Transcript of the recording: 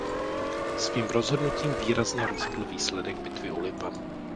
Svým rozhodnutím výrazně rozhodl výsledek bitvy u Lipan.